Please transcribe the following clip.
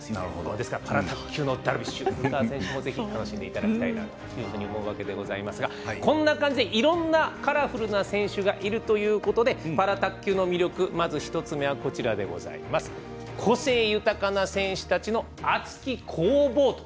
ですからパラ卓球のダルビッシュ古川選手もぜひ楽しんでいただきたいなと思いますがこんな感じでいろんなカラフルな選手がいるということでパラ卓球の魅力、まず１つ目は「個性豊かな選手たちの熱き攻防！」。